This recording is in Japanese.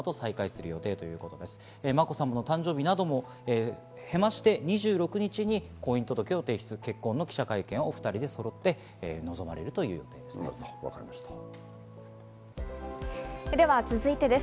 まこさまの誕生日なども経まして２６日に婚姻届、結婚の記者会見を２人で臨まれるということです。